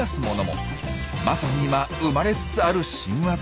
まさに今生まれつつある新ワザ。